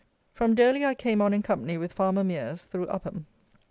From Durley I came on in company with farmer Mears through Upham.